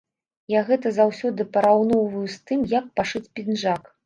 Я гэта заўсёды параўноўваю з тым, як пашыць пінжак.